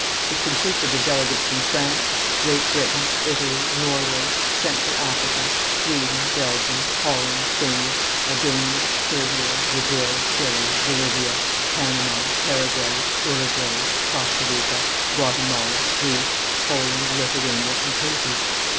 It consisted of delegates from France, Great Britain, Italy, Norway, Central Africa, Sweden, Belgium, Holland, Spain, Albania, Serbia, Brazil, Chili, Bolivia, Panama, Paraguay, Uruguay, Costa Rica, Guatemala, Greece, Poland, Lithuania, and Haiti.